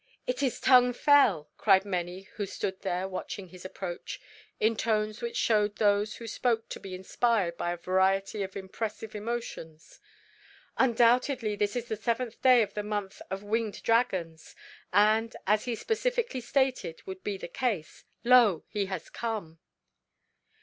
"It is Tung Fel!" cried many who stood there watching his approach, in tones which showed those who spoke to be inspired by a variety of impressive emotions. "Undoubtedly this is the seventh day of the month of Winged Dragons, and, as he specifically stated would be the case, lo! he has come."